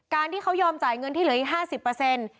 ที่เขายอมจ่ายเงินที่เหลืออีก๕๐